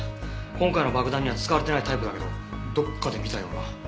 今回の爆弾には使われてないタイプだけどどこかで見たような。